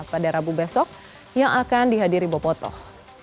pada rabu besok yang akan dihadiri bobotoh